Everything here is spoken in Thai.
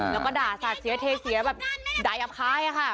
แล้วก็ด่าศาสตร์เสียเทเสียแบบดายอัพคล้ายอะค่ะ